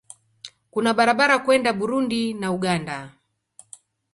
Kuna barabara kwenda Burundi na Uganda.